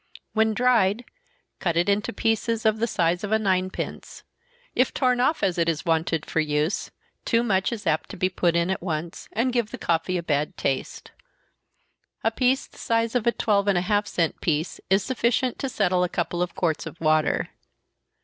When dried, cut it into pieces of the size of a nine pence. If torn off, as it is wanted for use, too much is apt to be put in at once, and give the coffee a bad taste. A piece of the size of a twelve and a half cent piece, is sufficient to settle a couple of quarts of water.